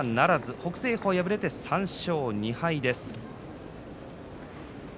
北青鵬、敗れました３勝２敗です。